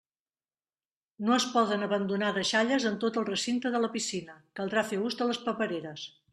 No es poden abandonar deixalles en tot el recinte de la piscina, caldrà fer ús de les papereres.